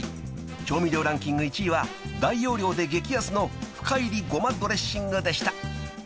［調味料ランキング１位は大容量で激安の深煎りごまドレッシングでした］